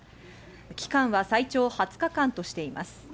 期間は最長２０日間としています。